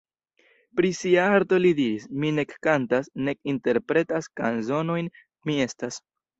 Pri sia arto li diris: "Mi nek kantas nek interpretas kanzonojn, mi estas.